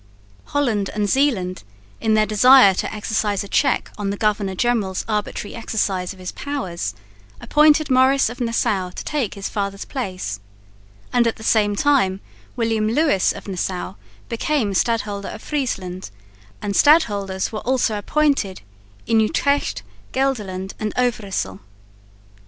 Holland and Zeeland, in their desire to exercise a check upon the governor general's arbitrary exercise of his powers, appointed Maurice of Nassau to take his father's place; and at the same time William Lewis of Nassau became Stadholder of Friesland, and stadholders were also appointed in Utrecht, Gelderland and Overyssel.